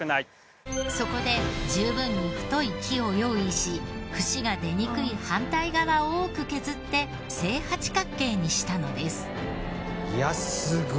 そこで十分に太い木を用意し節が出にくい反対側を多く削って正八角形にしたのです。